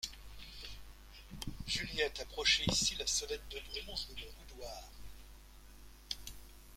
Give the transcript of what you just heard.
Juliette, approchez ici la sonnette de bronze de mon boudoir.